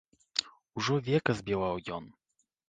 Ужо века збіваў ён.